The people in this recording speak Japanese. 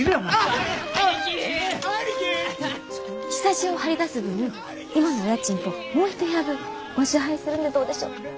庇を張り出す分今のお家賃ともう一部屋分お支払いするんでどうでしょう？